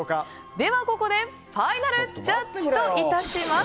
ではここでファイナルジャッジといたします。